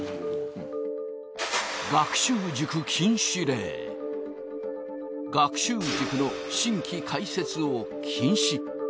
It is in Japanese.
一切学習塾の新規開設を禁止。